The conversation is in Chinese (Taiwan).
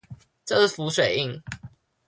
這是浮水印